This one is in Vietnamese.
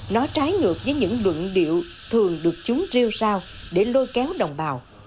nó trái ngược với những luận điệu thường được chúng rêu rao để lôi kéo đồng bào